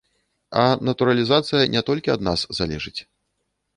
А натуралізацыя не толькі ад нас залежыць.